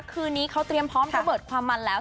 คืนนี้เขาเตรียมพร้อมระเบิดความมันแล้ว